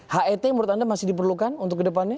hit menurut anda masih diperlukan untuk ke depannya